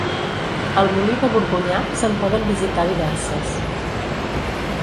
Al Molí de Borgonyà se'n poden visitar diverses.